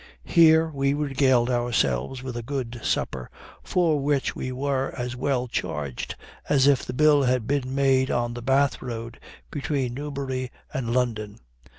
Here we regaled ourselves with a good supper, for which we were as well charged as if the bill had been made on the Bath road, between Newbury and London.